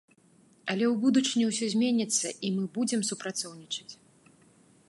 Але ў будучыні ўсё зменіцца і мы будзем супрацоўнічаць.